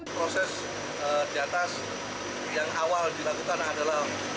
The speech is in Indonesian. proses di atas yang awal dilakukan adalah